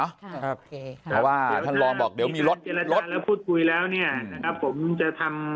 ว่าเขาตัวมาตอบเดี๋ยวมีรถพูดคุยแล้วเนี่ยครับผมจะทำ